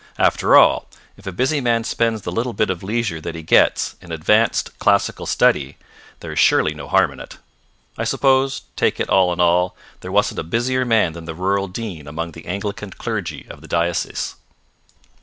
After all, if a busy man spends the little bit of leisure that he gets in advanced classical study, there is surely no harm in it. I suppose, take it all in all, there wasn't a busier man than the Rural Dean among the Anglican clergy of the diocese.